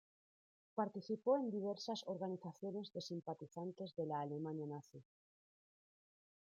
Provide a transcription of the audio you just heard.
Participó en diversas organizaciones de simpatizantes de la Alemania Nazi.